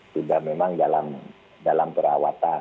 sudah memang dalam perawatan